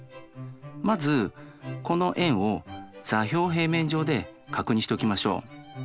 まずこの円を座標平面上で確認しておきましょう。